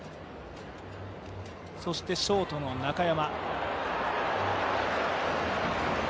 そしてショートの中山。